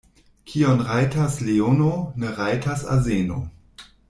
Kion rajtas leono, ne rajtas azeno.